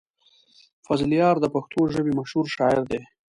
فضلیار د پښتو ژبې مشهور شاعر دی.